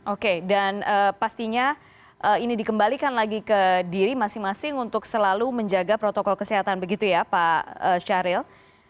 oke dan pastinya ini dikembalikan lagi ke diri masing masing untuk selalu menjaga protokol kesehatan begitu ya pak syahril